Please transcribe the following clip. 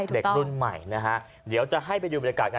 เด็กรุ่นใหม่นะฮะเดี๋ยวจะให้ไปดูบรรยากาศกัน